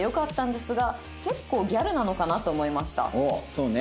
そうね。